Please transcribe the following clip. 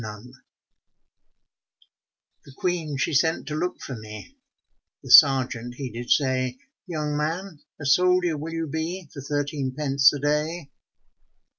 GRENADIER The Queen she sent to look for me, The sergeant he did say, 'Young man, a soldier will you be For thirteen pence a day?'